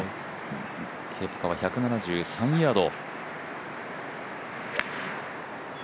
ケプカは１７３ヤード。